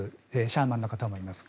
シャーマンの方もいます。